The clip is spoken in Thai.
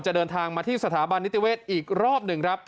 เดินทางมาที่สถาบันนิติเวศอีกรอบหนึ่งครับ